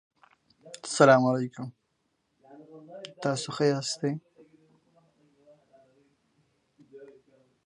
هندوکش د افغانستان یو طبعي ثروت دی.